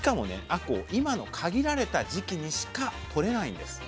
あこう今の限られた時期にしかとれないんです。